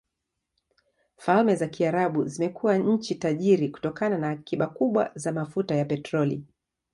Falme za Kiarabu zimekuwa nchi tajiri kutokana na akiba kubwa za mafuta ya petroli.